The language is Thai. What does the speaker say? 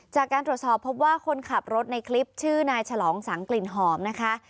จากการตรวจสอบพบว่าคนขับรถในคลิปชื่อนายฉลองสังกลิ่นหอมนะคะ